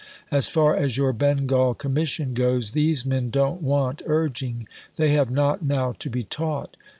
As far as your Bengal Commission goes: these men don't want urging: they have not now to be taught.